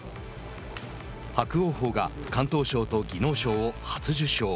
伯桜鵬が敢闘賞と技能賞を初受賞。